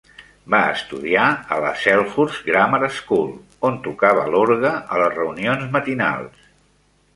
Va estudiar a la Selhurst Grammar School, on tocava l'orgue a les reunions matinals.